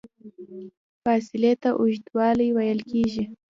فاصلې ته اوږدوالی ویل کېږي.